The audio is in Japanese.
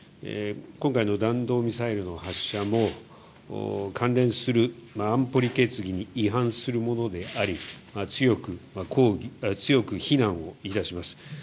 今回の弾道ミサイルの発射も関連する安保理決議に違反するものであり強く非難を致します。